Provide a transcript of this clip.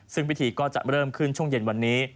ซึ่งพิธีก็จะเริ่มขึ้นช่วงเย็นวันนี้